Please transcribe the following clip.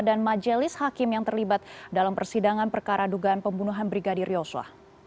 dan majelis hakim yang terlibat dalam persidangan perkara dugaan pembunuhan brigadir joshua